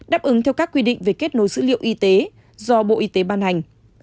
đáp ứng theo các quy định về kết nối dữ liệu y tế do bộ y tế ban hành